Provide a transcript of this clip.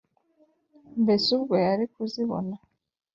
mbese ubwo yari kuzibona?